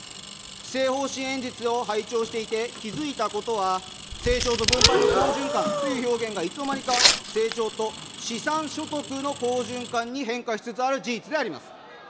施政方針演説を拝聴していて気付いたことは、成長と分配の好循環という表現が、いつの間にか、成長と資産所得の好循環に変化しつつある事実であります。